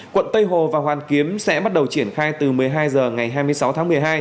quận tây hồ và hoàn kiếm sẽ bắt đầu triển khai từ một mươi hai h ngày hai mươi sáu tháng một mươi hai